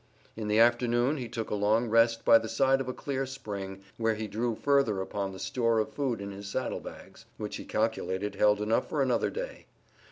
In the afternoon he took a long rest by the side of a clear spring, where he drew further upon the store of food in his saddlebags, which he calculated held enough for another day.